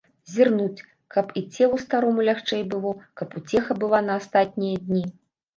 Зірнуць, каб і целу старому лягчэй было, каб уцеха была на астатнія дні.